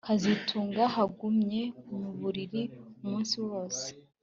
kazitunga yagumye mu buriri umunsi wose